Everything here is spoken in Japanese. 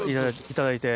いただいて。